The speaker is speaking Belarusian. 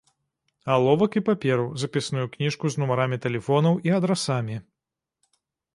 Аловак і паперу, запісную кніжку з нумарамі тэлефонаў і адрасамі.